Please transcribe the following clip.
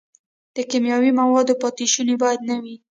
د کیمیاوي موادو پاتې شوني باید نه وي.